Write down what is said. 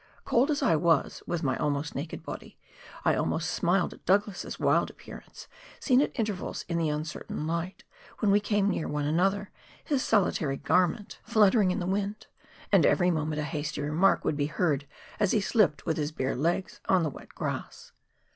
Cold as I was, with my almost naked body, I almost smiled at Douglas's wild appearance, seen at intervals in the uncertain light, when we came near one another, his solitary garment fluttering in the 74 PIONEER WORK IN THE ALPS OF NEW ZEALAND. wind, and every moment a hasty remark would be heard as he slipped with his bare legs on the wet grass.